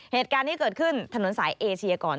เหตุการณ์นี้เกิดขึ้นถนนสายเอเชียก่อน